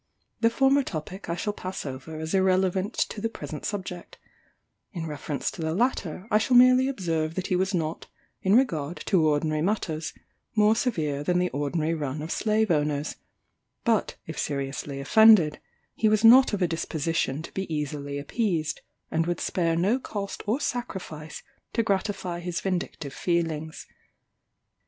The former topic I pass over as irrelevant to the present subject: in reference to the latter, I shall merely observe that he was not, in regard to ordinary matters, more severe than the ordinary run of slave owners; but, if seriously offended, he was not of a disposition to be easily appeased, and would spare no cost or sacrifice to gratify his vindictive feelings.